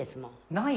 ない？